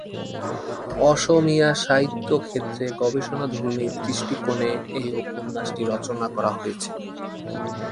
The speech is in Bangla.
অসমীয়া সাহিত্য ক্ষেত্রে গবেষণাধর্মী দৃষ্টিকোণে এই উপন্যাসটি রচনা করা হয়েছে।